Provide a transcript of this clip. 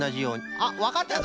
あっわかったぞ！